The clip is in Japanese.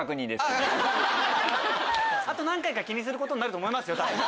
あと何回か気にすることになると思いますよ多分。